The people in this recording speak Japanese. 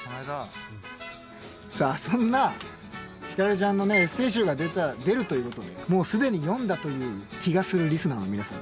さあそんなヒカルちゃんのねエッセイ集が出るということでもう既に読んだという気がするリスナーの皆さん